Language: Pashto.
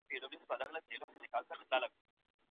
که ئې پدغه نوم ميرمن نلرله، نوطلاق نه واقع کيږي.